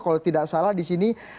kalau tidak salah di sini